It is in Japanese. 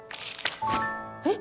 えっ？